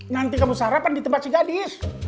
nanti kamu sarapan di tempat si gadis